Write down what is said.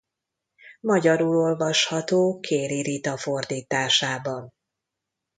Magyarul olvasható Kéri Rita fordításában.